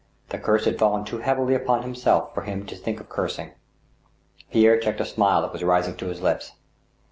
The curse had fallen too heavily upon himself for him to think of cursing. Pierre checked a smile that was rising to his lips.